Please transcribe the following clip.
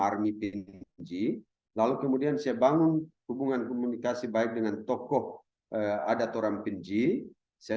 army pindik ji lalu kemudian saya bangun hubungan komunikasi baik dengan tokoh ada toram pinji saya